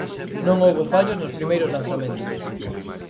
Non houbo fallos nos primeiros lanzamentos.